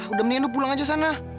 udah mendingan lu pulang aja sana